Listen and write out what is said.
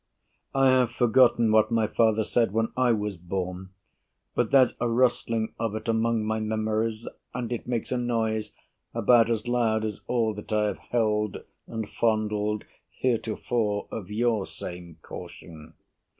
I have forgotten what my father said When I was born, but there's a rustling of it Among my memories, and it makes a noise About as loud as all that I have held And fondled heretofore of your same caution.